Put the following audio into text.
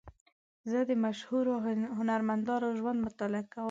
زه د مشهورو هنرمندانو ژوند مطالعه کوم.